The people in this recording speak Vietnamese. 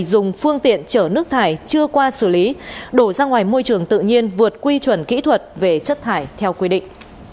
dùng phương tiện chở nước thải chưa qua xử lý đổ ra ngoài môi trường tự nhiên vượt quy chuẩn kỹ thuật về chất thải theo quy định